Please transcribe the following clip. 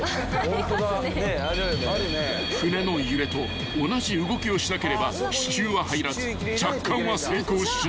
［艦の揺れと同じ動きをしなければ支柱は入らず着艦は成功しない］